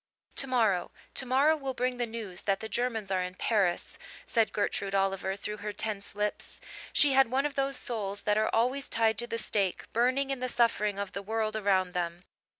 "Tomorrow tomorrow will bring the news that the Germans are in Paris," said Gertrude Oliver, through her tense lips. She had one of those souls that are always tied to the stake, burning in the suffering of the world around them.